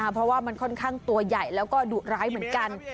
เพราะว่ามันค่อนข้างตัวใหญ่แล้วก็ดุร้ายเหมือนกัน